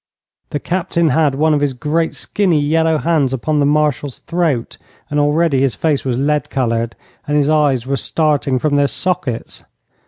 The Captain had one of his great, skinny yellow hands upon the Marshal's throat, and already his face was lead coloured, and his eyes were starting from their sockets.